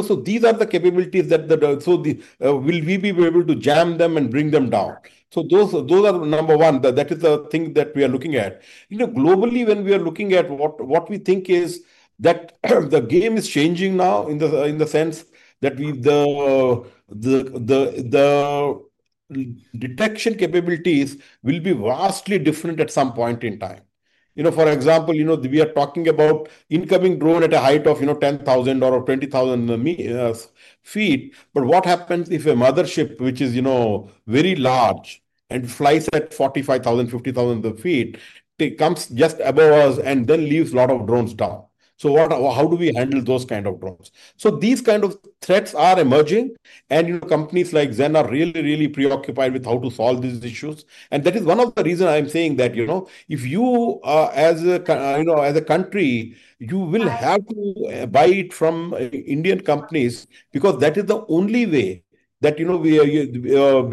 Speaker 3: are the capabilities that the, will we be able to jam them and bring them down? Those are number one. That is the thing that we are looking at. Globally, when we are looking at what we think is that the game is changing now in the sense that the detection capabilities will be vastly different at some point in time. For example, we are talking about incoming drone at a height of 10,000 or 20,000 feet. What happens if a mothership, which is very large and flies at 45,000, 50,000 feet, comes just above us and then leaves a lot of drones down? How do we handle those kinds of drones? These kinds of threats are emerging. Companies like Zen Technologies Limited are really, really preoccupied with how to solve these issues. That is one of the reasons I'm saying that if you, as a country, you will have to buy it from Indian companies because that is the only way that you will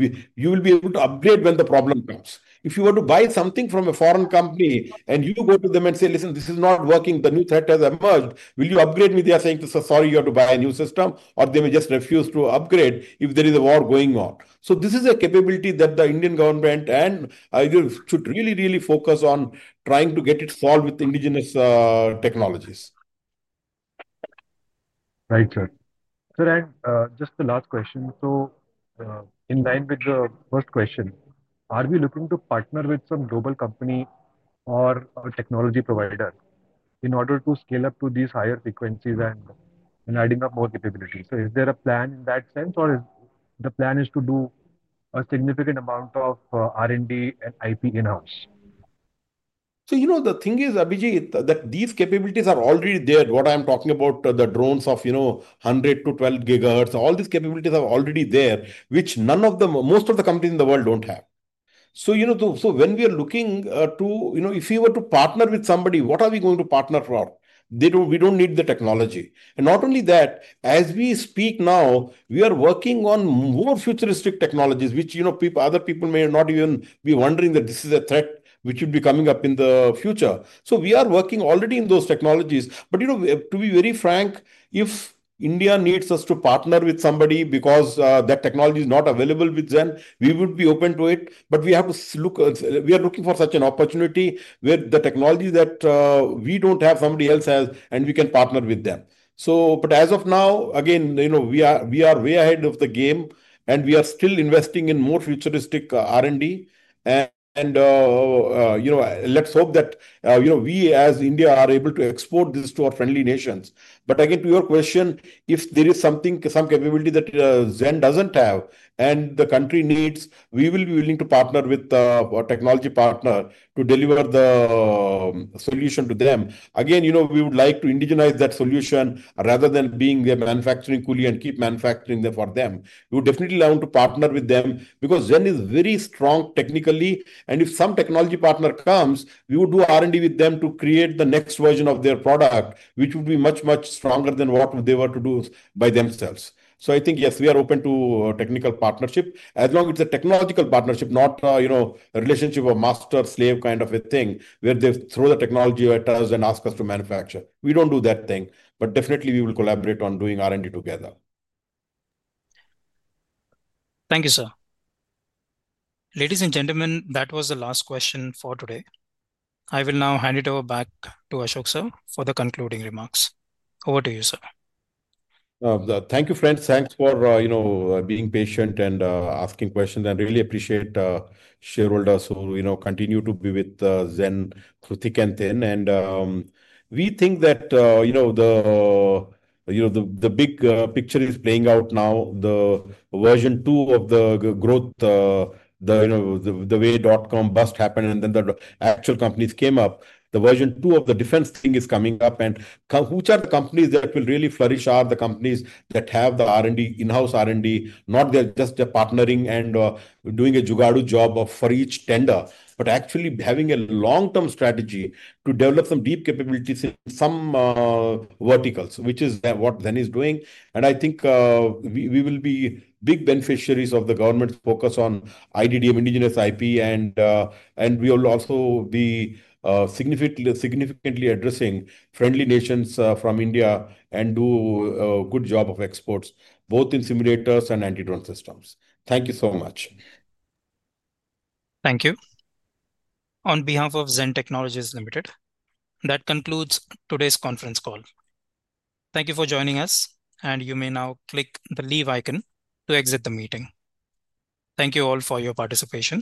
Speaker 3: be able to upgrade when the problem comes. If you were to buy something from a foreign company and you go to them and say, listen, this is not working, the new threat has emerged, will you upgrade me? They are saying to us, sorry, you have to buy a new system or they may just refuse to upgrade if there is a war going on. This is a capability that the Indian government and should really, really focus on trying to get it solved with indigenous technologies.
Speaker 15: Right, sir. Sir, just the last question. In line with the first question, are we looking to partner with some global company or a technology provider in order to scale up to these higher frequencies and adding up more capabilities? Is there a plan in that sense or is the plan to do a significant amount of R&D and IP in-house?
Speaker 3: The thing is, Abhijit, that these capabilities are already there. What I am talking about, the drones of 100 MHz-12 GHz, all these capabilities are already there, which most of the companies in the world don't have. When we are looking to, if we were to partner with somebody, what are we going to partner for? We don't need the technology. Not only that, as we speak now, we are working on more futuristic technologies, which other people may not even be wondering that this is a threat which should be coming up in the future. We are working already in those technologies. To be very frank, if India needs us to partner with somebody because that technology is not available with Zen, we would be open to it. We are looking for such an opportunity where the technology that we don't have, somebody else has, and we can partner with them. As of now, we are way ahead of the game and we are still investing in more futuristic R&D. Let's hope that we as India are able to export this to our friendly nations. Again, to your question, if there is something, some capability that Zen doesn't have and the country needs, we will be willing to partner with the technology partner to deliver the solution to them. We would like to indigenize that solution rather than being their manufacturing coolie and keep manufacturing them for them. We would definitely like to partner with them because Zen is very strong technically. If some technology partner comes, we would do R&D with them to create the next version of their product, which would be much, much stronger than what they were to do by themselves. I think, yes, we are open to technical partnership as long as it's a technological partnership, not a relationship of master-slave kind of a thing where they throw the technology at us and ask us to manufacture. We don't do that thing. We will collaborate on doing R&D together.
Speaker 1: Thank you, sir. Ladies and gentlemen, that was the last question for today. I will now hand it over back to Ashok sir for the concluding remarks. Over to you, sir.
Speaker 3: Thank you, friends. Thanks for being patient and asking questions. I really appreciate Shirulda, so continue to be with Zen through thick and thin. We think that the big picture is playing out now. The version two of the growth, the way dot-com bust happened and then the actual companies came up, the version two of the defense thing is coming up. The companies that will really flourish are the companies that have the R&D, in-house R&D, not just partnering and doing a jugadu job for each tender, but actually having a long-term strategy to develop some deep capabilities in some verticals, which is what Zen is doing. I think we will be big beneficiaries of the government's focus on IDDM, indigenous IP, and we will also be significantly addressing friendly nations from India and do a good job of exports, both in simulators and anti-drone systems. Thank you so much.
Speaker 1: Thank you. On behalf of Zen Technologies Limited, that concludes today's conference call. Thank you for joining us, and you may now click the leave icon to exit the meeting. Thank you all for your participation.